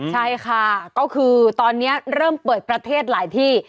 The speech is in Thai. ใช่ค่ะก็คือตอนนี้เริ่มเปิดประเทศหลายที่